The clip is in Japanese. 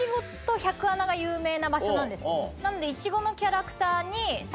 なので。